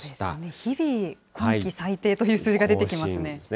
日々、今季最低という数字が出てきますね。